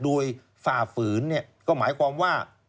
โดยฝ่าฝืนก็หมายความว่า